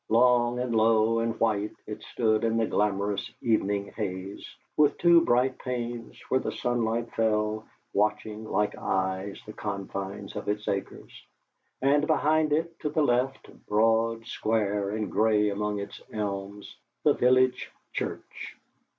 Long and low and white it stood in the glamourous evening haze, with two bright panes, where the sunlight fell, watching, like eyes, the confines of its acres; and behind it, to the left, broad, square, and grey among its elms, the village church.